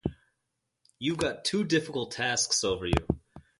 You've got two difficult tasks over you.